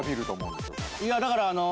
いやだからあの。